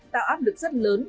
tạo áp lực rất lớn